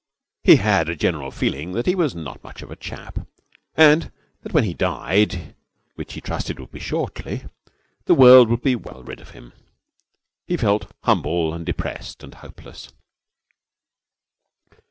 He had a general feeling that he was not much of a chap and that when he died which he trusted would be shortly the world would be well rid of him. He felt humble and depressed and hopeless.